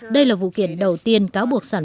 đây là vụ kiện đầu tiên cáo buộc sản